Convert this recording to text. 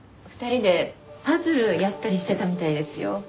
２人でパズルやったりしてたみたいですよ。